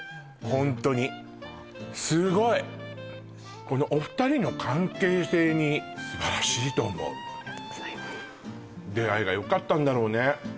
ホントにすごいっこのお二人の関係性に素晴らしいと思うありがとうございます出会いがよかったんだろうね